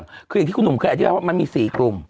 คืออย่างที่คุณหนุ่มเคยอธิบายว่ามันมี๔กลุ่ม